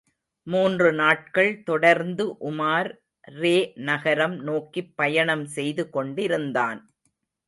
மூன்று நாட்கள் தொடர்ந்து உமார் ரே நகரம் நோக்கிப் பயணம் செய்து கொண்டிருந்தான்.